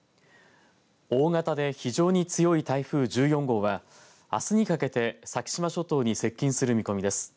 大型で非常に強い台風１４号はあすにかけて先島諸島に接近する見込みです。